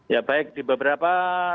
ya baik di beberapa